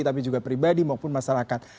tapi juga pribadi maupun masyarakat